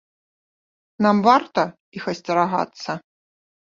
Нам варта іх асцерагацца?